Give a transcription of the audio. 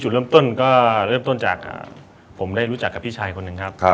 จุดเริ่มต้นดีกว่าเริ่มต้นจากนับถึงพี่ชัยคนหนึ่งครับ